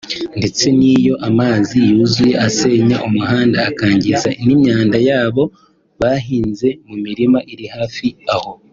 ndetse n’iyo amazi yuzuye asenya umuhanda akangiza n’imyaka yabo bahinze mu mirima iri hafi aho